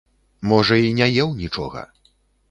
Можа й не еў нічога.